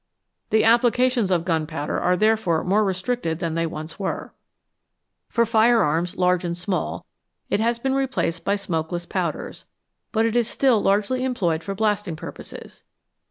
The applications of gunpowder are therefore more restricted than they once were. For firearms, large and small, it has l)een replaced by smokeless powders, but it is still largely employed for blasting purposes.